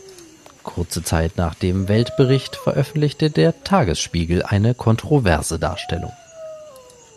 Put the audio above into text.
Kurze Zeit nach dem "Welt"-Bericht veröffentlichte der "Tagesspiegel" eine kontroverse Darstellung.